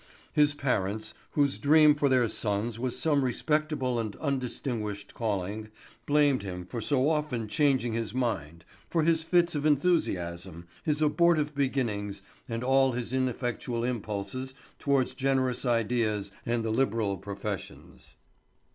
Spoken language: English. His parents, whose dream for their sons was some respectable and undistinguished calling, blamed him for so often changing his mind, for his fits of enthusiasm, his abortive beginnings, and all his ineffectual impulses towards generous ideas and the liberal professions.